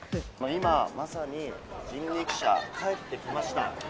今まさに人力車、帰ってきました。